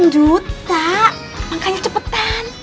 delapan juta makanya cepetan